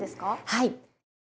はい。